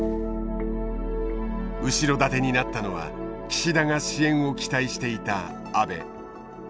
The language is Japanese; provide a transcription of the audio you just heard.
後ろ盾になったのは岸田が支援を期待していた安倍。